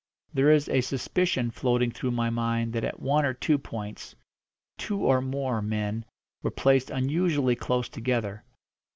There is a suspicion floating through my mind that at one or two points two, or more men were placed unusually close together.